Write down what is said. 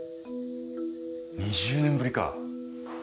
２０年ぶりか。